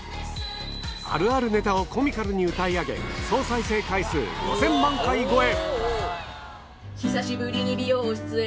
あるあるねたをコミカルに歌い上げ、総再生回数５０００万回超え。